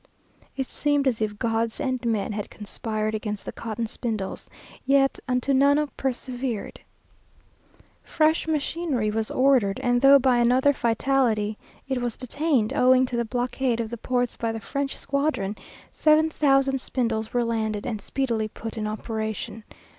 It seemed as if gods and men had conspired against the cotton spindles; yet Antunano persevered. Fresh machinery was ordered; and though by another fatality it was detained, owing to the blockade of the ports by the French squadron, seven thousand spindles were landed, and speedily put in operation.